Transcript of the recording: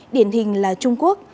điển hình là trung quốc